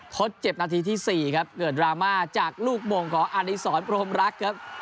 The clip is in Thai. เพราะเจ็บนาทีที่๔ครับเหลือดราม่าจากลูกโมงของอานิสรโบรมรักครับ